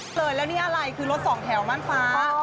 เลยแล้วนี่อะไรคือรถสองแถวม่านฟ้า